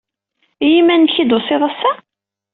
I yiman-nnek ay d-tusid ass-a?